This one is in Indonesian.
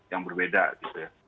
yang berbeda gitu ya